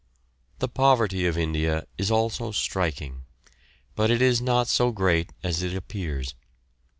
The poverty of India is also striking, but it is not so great as it appears.